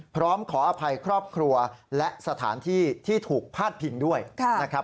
พร้อมขออภัยครอบครัวและสถานที่ที่ถูกพาดพิงด้วยนะครับ